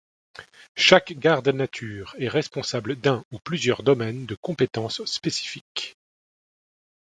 Chaque garde nature est responsable d'un ou plusieurs domaines de compétences spécifiques.